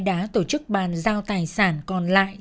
đã tổ chức bàn giao tài sản còn lại